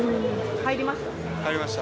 入りました。